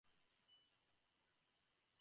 যতদিন প্রভু আমাকে রক্ষা করবেন, ততদিন আমি অপরাজেয়।